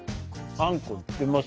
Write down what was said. あんこいってます。